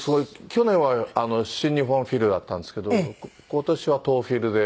去年は新日本フィルだったんですけど今年は東フィルで。